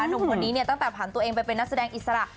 หนุ่มคนนี้เนี่ยตั้งแต่ผ่านตัวเองไปเป็นนักแสดงอิสระ